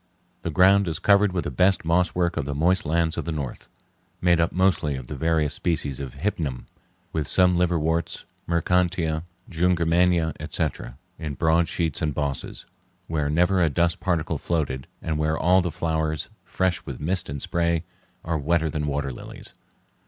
The ground is covered with the best moss work of the moist lands of the north, made up mostly of the various species of hypnum, with some liverworts, marchantia, jungermannia, etc., in broad sheets and bosses, where never a dust particle floated, and where all the flowers, fresh with mist and spray, are wetter than water lilies.